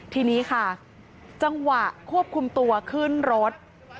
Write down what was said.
ทีนี้ค่ะจังหวะควบคุมตัวขึ้นรถ